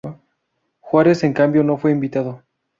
Juárez, en cambio, no fue invitado.